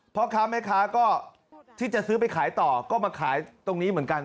เพราะครับไหมคะก็ที่จะซื้อไปขายต่อก็มาขายตรงนี้เหมือนกัน